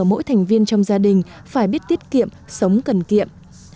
mỗi thành viên trong gia đình phải biết tiết kiệm sống cần kiệm